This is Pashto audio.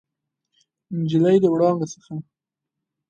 نجلۍ د وړانګو څخه